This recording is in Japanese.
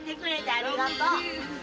ありがとう。